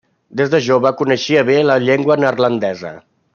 Des de jove coneixia bé la llengua neerlandesa.